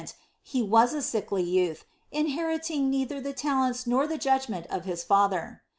he waa a sickly youth, inheriting neither the talents nor the judgment of his fcther.